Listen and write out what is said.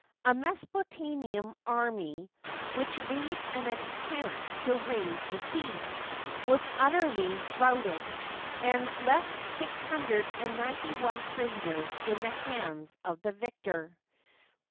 A Mesopotamian army, which made an attempt to raise the siege, was utterly routed, and left six hundred and ninety one prisoners in the hands of the victor.